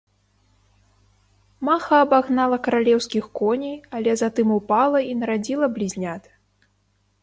Маха абагнала каралеўскіх коней, але затым ўпала і нарадзіла блізнят.